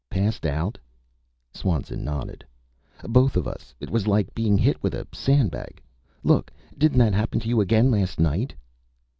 "Passed out?" Swanson nodded. "Both of us. It was like being hit with a sandbag. Look, didn't that happen to you again last night?"